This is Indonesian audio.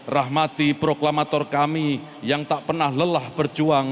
rahmati proklamator kami yang tak pernah lelah berjuang